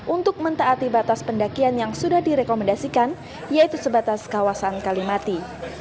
untuk mentaati batas pendakian yang sudah direkomendasikan yaitu sebatas kawasan kalimati